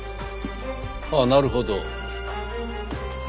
ああなるほど。